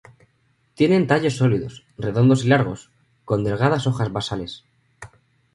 Tienen tallos sólidos, redondos y largos, con delgadas hojas basales.